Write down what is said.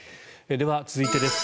では、続いてです。